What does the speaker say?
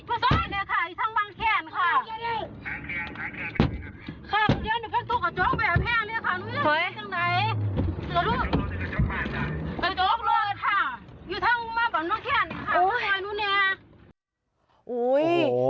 โอ้โหเนี่ย